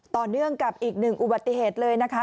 ต่อเนื่องกับอีกหนึ่งอุบัติเหตุเลยนะคะ